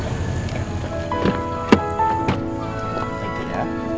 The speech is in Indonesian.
makasih makasih waduh